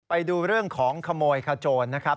ไปดูเรื่องของขโมยขโจรนะครับ